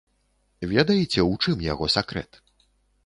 Ведаеце, у чым яго сакрэт?